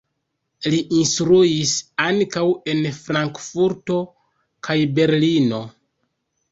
Li instruis ankaŭ en Frankfurto kaj Berlino.